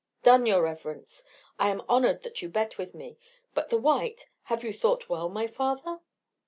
"Done, your reverence. I am honoured that you bet with me. But the white have you thought well, my father?"